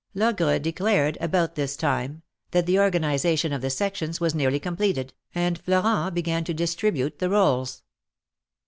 Logre declared about this time that the organization of the sections was nearly completed, and Florent began to distribute the rdles.